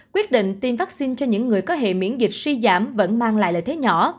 quyết định tiêm vaccine cho những người có hệ miễn dịch suy giảm vẫn mang lại lợi thế nhỏ